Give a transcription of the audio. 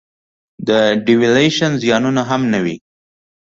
د devaluation زیانونه هم نه وي.